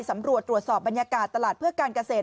สำรวจตรวจสอบบรรยากาศตลาดเพื่อการเกษตร